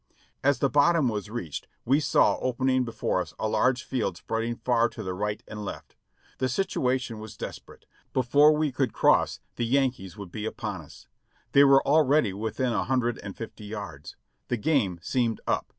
As the bottom was reached we saw opening before us a large field spreading far to the right and left. The situation was desperate ; before we could cross the Yankees would be upon us ; they were already within a hundred and fifty yards ; the game seemed up.